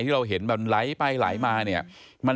ที่เห็นไปลายมา